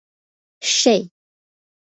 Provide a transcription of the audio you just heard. شې.